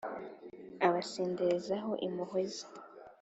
abasenderezaho impuhwe ze.